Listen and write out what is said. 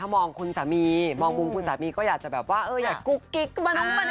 มองคุณสามีมองมุมคุณสามีก็อยากจะแบบว่าเอออยากกุ๊กกิ๊ก